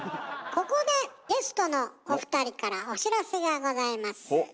ここでゲストのお二人からお知らせがございます。